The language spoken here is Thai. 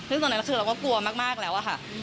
ซึ่งตอนนั้นคือเราก็กลัวมากแล้วอะค่ะ